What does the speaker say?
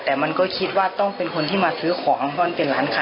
แต่มันก็คิดว่าต้องเป็นคนที่มาซื้อของเพราะมันเป็นร้านค้า